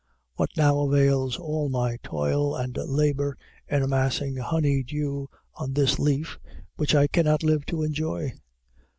What now avails all my toil and labor in amassing honey dew on this leaf, which I cannot live to enjoy!